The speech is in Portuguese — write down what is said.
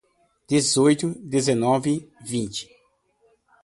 Dezoito, dezenove, vinte